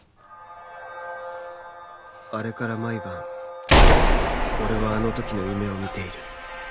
あれから毎晩俺はあの時の夢を見ている